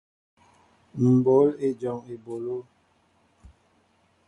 Mi mɓǒl éjom eɓólo.